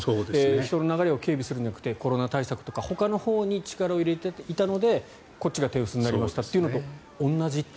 人の流れを警備するんじゃなくてコロナ対策とかほかのほうに力を入れていたのでこっちが手薄になりましたというのと同じ。